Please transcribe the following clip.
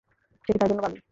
সেটা তার জন্য ভালোই।